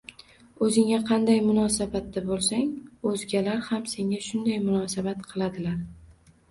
“O‘zingga qanday munosabatda bo‘lsang, o‘zgalar ham senga shunday munosabat qiladilar”